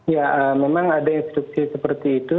ya memang ada instruksi seperti itu